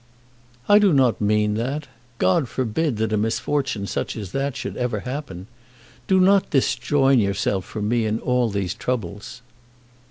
"I do not mean that. God forbid that a misfortune such as that should ever happen! Do not disjoin yourself from me in all these troubles."